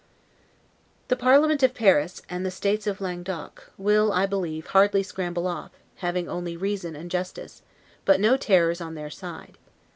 The parliament of Paris, and the states of Languedoc, will, I believe, hardly scramble off; having only reason and justice, but no terrors on their side.